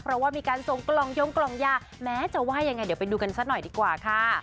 เพราะว่ามีการส่งกล่องยงกล่องยาแม้จะว่ายังไงเดี๋ยวไปดูกันซะหน่อยดีกว่าค่ะ